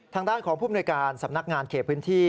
ทางด้านของผู้มนวยการสำนักงานเขตพื้นที่